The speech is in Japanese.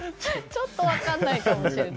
ちょっと分からないかもしれない。